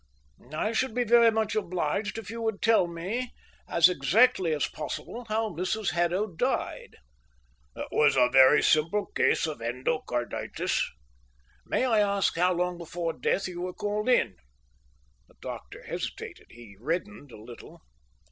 "I should be very much obliged if you would tell me as exactly as possible how Mrs Haddo died." "It was a very simple case of endocarditis." "May I ask how long before death you were called in?" The doctor hesitated. He reddened a little.